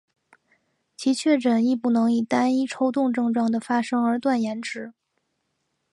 其确诊亦不能以单一抽动症状的发生而断言之。